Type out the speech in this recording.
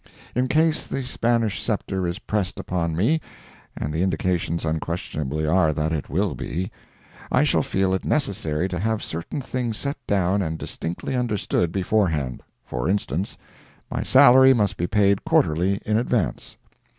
In case the Spanish sceptre is pressed upon me—and the indications unquestionably are that it will be—I shall feel it necessary to have certain things set down and distinctly understood beforehand. For instance: My salary must be paid quarterly in advance.